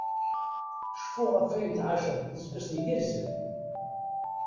Cfu ɣef ayen tεaceḍ d iseggasen igerrzen!